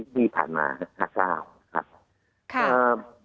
ที่ผ่านมาร้านหน้าเจ้าครับ